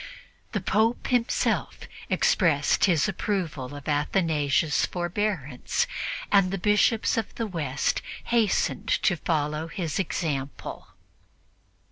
The Pope himself expressed his approval of Athanasius' forbearance, and the Bishops of the West hastened to follow his example.